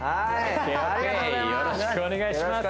よろしくお願いします